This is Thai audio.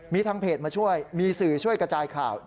มีทางเพจมาช่วยมีสื่อช่วยกระจายข่าว